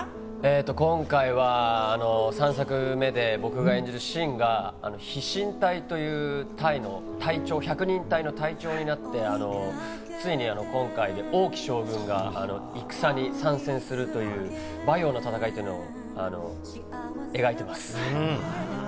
今回は３作目で僕が演じる信が飛信隊という隊の隊長、１００人隊の隊長になって、ついに今回、王騎将軍が戦に参戦するという馬陽の戦いというのを描いています。